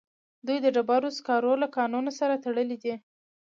دوی د ډبرو سکارو له کانونو سره تړلي دي